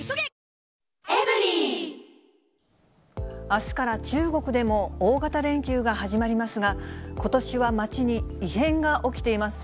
あすから中国でも、大型連休が始まりますが、ことしは街に異変が起きています。